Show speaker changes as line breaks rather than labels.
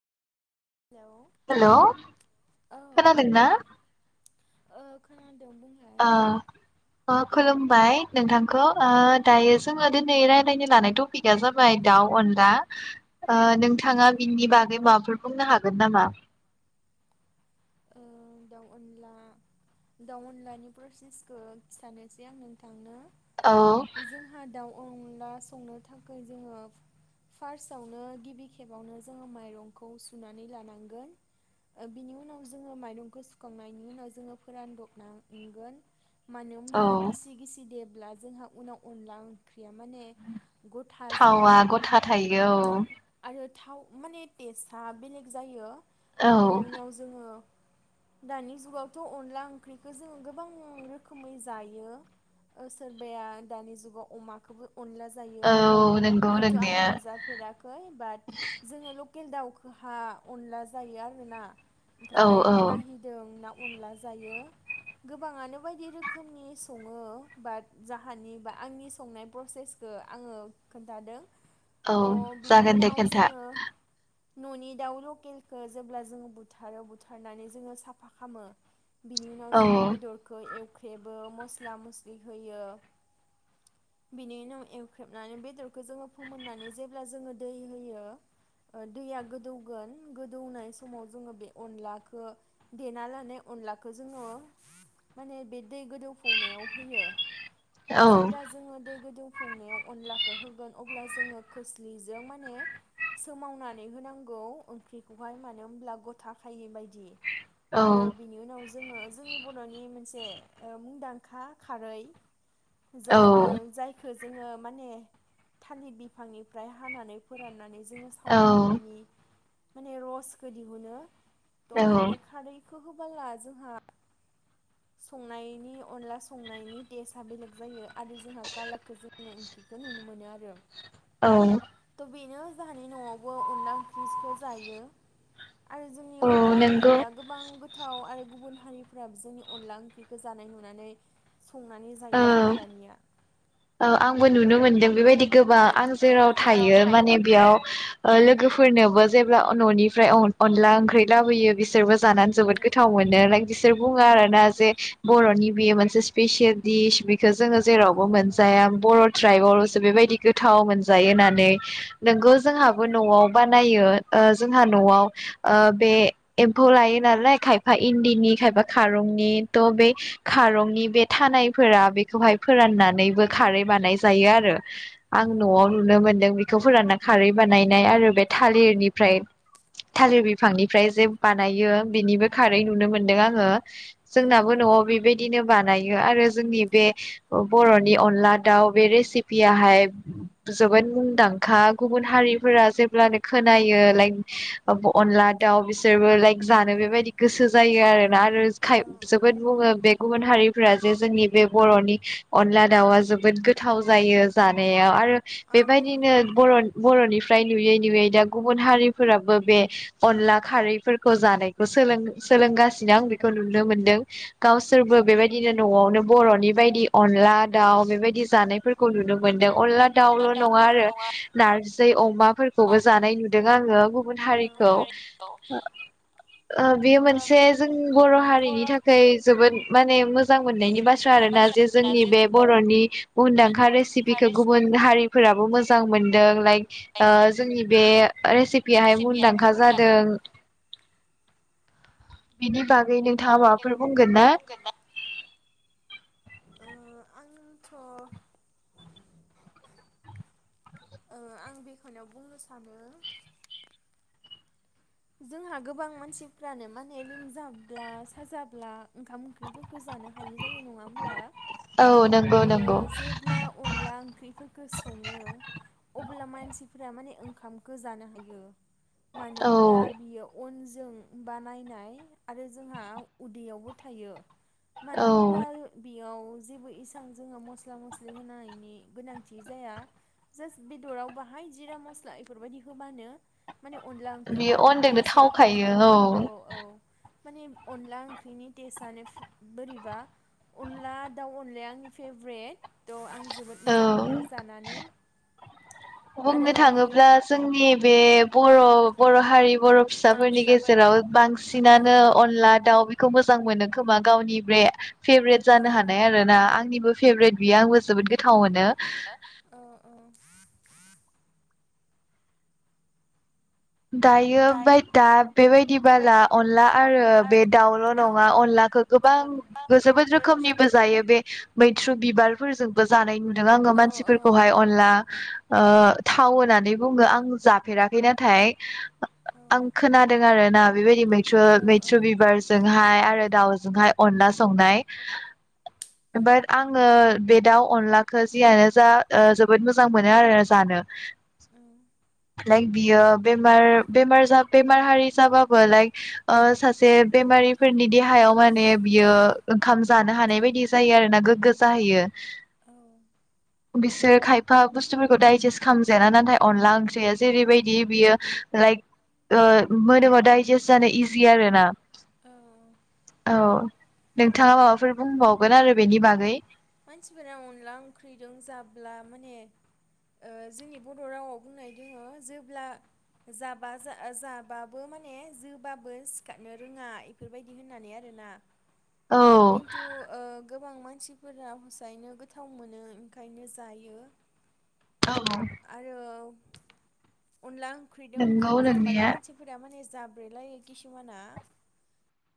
Hello
hello
औ
खोनादोंना
ओ खोनादों बुंलाय
ओ अ खुलुमबाय नोंथांखौ ओ दायो जोङो दिनै रायलायनो लानाय टपिकआ जाबाय दाउ अनला ओ नोंथाङा बिनि बागै मा [unintelligible] बुंनो हागोन नामा
ओ दाउ अनला दाउ अनलानि प्रसेसखौ खिथानोसै आं नोंथांनो
औ
जोंहा दाउ अनला संनो थाखाय जोङो फार्स्टआवनो गिबि खेबावनो जोङो माइरंखौ सुनानै लानांगोन बिनि उनाव जोङो माइरंखौ सुखांनायनि उनाव जोङो फोरानदबनांगोन मानो
औ
होमब्ला गिसि गिसि दे ब्ला जोंहा उनाव अनला ओंख्रिया माने गथा
थावा
जायो
गथा थायो
आरो थाव माने टेस्टआ बेलेग जायो
औ
ओ बेनि‌ उनाव दानि जुगावथ' अनला ओंख्रिखौ जोङो गोबां रोखोमै जायो सोरबाया दानि जुगाव अमाखौबो अनला जायो
औ नंगौ
खिन्थु आं
नोंनाया
मोनजाफेराखै बाट जों ल केल दावखौहा अनला जायो आरोना
औ
ओमफ्राय
औ
बिलाहिदों ना अनला जायो गोबाङानो बायदि रोखोमनि सङो बात जाहानि बा आंनि संनाय प्रसेसखौ आङो खोन्थादों
औ
अ बिनि
जागोन दे
उनाव
खिन्था
जोङो न'नि दाउ लकेलखौ जेब्ला जोङो बु थारो बुथारनानै जोङो साफा खामो बिनि उनाव
औ
जोङो बेदरखौ एव ख्रेबो मसला मसलि होयो बिनि उनाव एवख्रेबनानै बेदरखौ जोङो फोमोननानै जेब्ला जोङो दै होयो दैया गोदौगोन गोदौनाय समाव जोङो बे अनलाखौ देना लानाय अनलाखौ जोङो माने बे दै गोदौफौनायाव होयो
औ
जेब्ला जोङो दै गोदौ फौनायाव अनलाखौ होगोन अब्ला जोङो खोस्लिजों माने सोमावनानै होनांगौ ओंख्रिखौहाय मानो होमब्ला गथा खायै बायदि
औ
आरो बिनि उनाव जोङो जोंनि बर'नि मोनसे ओ मुंदांखा खारै ज'
औ
ओ जायखौ जोङो माने थालिर बिफांनिफ्राय हानानै फोराननानै जोङो
औ
सावनानै बिनि माने रसखो दिहुन मोनो त' बे खारै बेखौ होबोला जोंहा संनायनि अनला संनायनि टेसआ बेलेग जायो आरो जोंहा कालारखौ जोङो ओंख्रिखौ नुनो मोनो आरो
औ
थ' बेनो जोंहानि न'आवबो अनला ओंख्रिखौ जायो आरो जोंनि
औ
अनला
नंगौ
ओंख्रिया गोबां गोथाव आरो गुबुन हारिफ्राबो जोंनि अनला ओंख्रिखौ जानाय नुनानै संनानै जायो
औ
आरो दानिया
औ आंबो नुनो मोनदों बेबायदि गोबा आं जेराव थायो माने बेयाव ओ लोगोफोरनोबो जेब्ला न'निफ्राय अ-अनला ओंख्रि लाबोयो बिसोरबो जानानै
औ
जोबोद गोथाव मोनो लाइक बिसोर बुङो
औ
आरोना जे बर'नि बेयो मोनसे सिपिसियेल दिस बे जोङो
औ
जेरावबो मोनजा बर' ट्राइबावल'सो बेबायदि गोथाव मोनजायो होननानै नोंगौ जोंहाबो न'आव बान नायो ओ जोंहा न'आव ओ बे एम्फौ लायो नालाय खायफा इन्दिनि खायफा खारंनि थ बे खारंनि बे थानायफोरा बेखौहाय फोराननानैबो खारै बानाय जायो आरो
औ
आं न'आव नुनो मोनदों बेखौ बिखौ फोराना खारै बानायनाय आरो बे थालिरनिफ्राय थालिर बिफांनिफ्राय जे बानायो बिनिबो खारै नुनो मोनदों आङो जोंनाबो न'आव बेबाय बिदिनो बानायो आरो जोंनि बे बर'नि बे अनला दाउ बे रेसिपियाहाय जोबोद मुंदांखा गुबुन हारिफोरा जेब्लानो खोनायो लाइक अनला दाउ बिसोरबो लाइक जानो बेबायदि गोसो जायो आरो आरो
औ
खाय जोबोद बुङो बे गुबुन हारिफोरा जे जोंनि बे बर'नि अनला दाउआ जोबोद गोथाव जायो जानायाव आरो
औ औ
बेबायदिनो बरनि-बर'नि फ्राय नुयै नुयै दा गुबुन हारिफोराबो बे अनला खारैफोरखौ जानायखौ सोलों-सोलोंगासिनो आं बेखौ नुनो मोनदों गावसोरबो बेबायदिनो न'आवनो बर'नि बायदि अनला दाउ बेबायदि जानायफोरखौ नुनो मोनदों अनला दाउल' नङा आरो नारजि अमाफोरखौबो जानाय नुदों आङो गुबुन हारिखौ
अमाफोरखौ
ओ बेयो मोनसे
बे
जों बर' हारिनि थाखाय जोबोद माने मोजां मोननायनि बाथ्रा आरोना जे जोंनि बे बर'नि मुंदांखा रेसिपिखौ गुबुन हारि फोराबो मोजां मोनदों लाइक ओ
रेसिपि
जोंनि बे रेसिपियाहाय मुंदांखा जादों। बिनि बा नोंथाङा
बागै नों
माबाफोर बुंगोन ना?
ओ आंथ ओ आं बेखनो बुंनो सानो जोंहा गोबां मानसिफ्रानो माने लोमजाब्ला साजाब्ला ओंखाम ओंख्रिफोरखौ जानो हाया जायो नङा होमब्ला।
औ नंगौ
ओ
नंगौ
जेब्ला अनला ओंख्रिफोरखौ सङो अब्ला मानसि फोरा माने ओंखामखो जानो हायो। मानो
औ
अब्ला बियो अन जों बानायनाय आरो जोंहा उदैयावबो थायो। मानो
औ
होमब्ला बेयाव जेबो इसां जोङो मस्ला मस्लि होनायनि गोनांथि जाया। जास बेदराव बाहाय जिरा मस्ला इफोरबायदि होबानो माने अनला
बियो
ओंख्रियाव
अनजोंनो
टेसआ
थावखायो
फैखायो। औ औ माने अनला ओंख्रिनि टेस्टनो बोरैबा अनला दाउ अनलाया आंनि फेभ्रेट। थ आं जोबोद
औ
मोजां मोनो जानानै। आरो
बुंनो थाङोब्ला जोंनि बे बर' बर' हारि बर' फिसाफोरनि गेजेराव
औ
बांसिनानो अनला दाउ खौ मोजां मोनो खोमा गावनि बे फेभरेट
औ
जानो हानाय आरो ना आंनि आनिबो फेभरेट बियो आंबो जोबोद गोथाव मोनो।
औ औ
दायो बाय दा बेबायदि बाला अनला आरो बे दाउल
दाउ
नङा अनलाखौ गोबां जोबोद रोखोमनिबो जायो। बे मै थ्रु बिबारफोरजोंबो जानाय नु नो आङो
औ औ औ
मानसिफोरखौहाय अनला ओ थाव होननानै बुङो। आं जाफेराखै नाथाय
औ
आं खोनादों आरो ना बेबायदि मैथ्रु
औ
मैथ्रु बिबारजोंहाय आरो आरो दाउजोंहाय अनला संनाय बाट आङो बे दाउ अनलाखौ जियानो जा ओ जोबोद मोजां मोनो आरो जानो। [inaudible] लाइक बियो बेमार बेमार जा बेमार हारि जाबाबो लाइक अ सासे बेमारिफोरनि देहायाव माने बियो ओंखाम जानो हानाय बाय दि जायो आरो ना गोगगो जाहैयो।
औ
बिसोर खायफा बुस्थुफोरखौ दाइजेस्ट खालामजायाना नाथाय अनला ओंख्रिया जेरैबायदि बियो लाइक अ मोदोमाव दाइजेस्ट जानो इजि आरो ना औ नोंथाङा माबाफोर बुंबावगोन आरो बेनि बागै
मानसिफोरा अनला ओंख्रिजों जाब्ला माने अ जोंनि बर' रावाव बुंनाय दङ जेब्ला जाबा जाबाबो माने जोबाबो सिखारनो रोङा बेफोरबायदि होननानै आरोना
औ
खिन्थु अ गोबां मानसि फोरा हसायैनो गोथाव मोनो ओंखायनो जायो
औ
आरो अनला ओंख्रिदों ओंखाम
नंगौ
जाबोला
नोंनाया
मानसिफोरा माने जाब्रैलायो खिसुमाना